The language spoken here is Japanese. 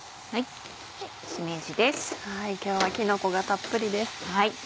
今日はきのこがたっぷりです。